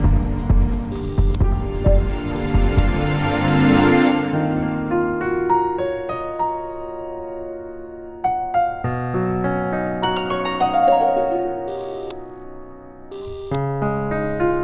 gak ada bapak lagi